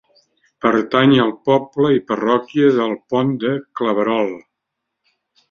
Pertany al poble i parròquia del Pont de Claverol.